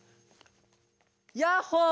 ヤッホー！